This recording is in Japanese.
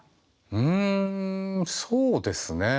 うんそうですね